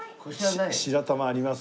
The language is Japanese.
白玉あります？